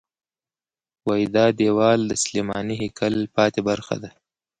وایي دا دیوال د سلیماني هیکل پاتې برخه ده.